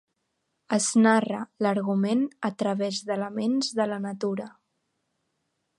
Es narra l'argument a través d'elements de la natura.